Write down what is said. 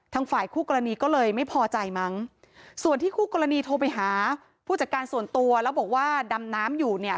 ฝ่ายคู่กรณีก็เลยไม่พอใจมั้งส่วนที่คู่กรณีโทรไปหาผู้จัดการส่วนตัวแล้วบอกว่าดำน้ำอยู่เนี่ย